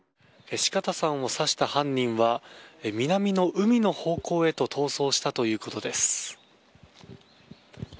四方さんを刺した犯人は南の海の方向へと逃走したということです。